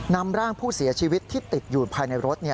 นำร่างผู้เสียชีวิตที่ติดอยู่ภายในรถ